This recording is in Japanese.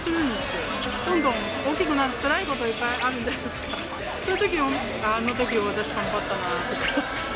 どんどん大きくなって、つらいこといっぱいあるじゃないですか、そういうときもあのとき私頑張ったなとか。